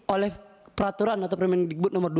oleh peraturan atau permendikbud nomor dua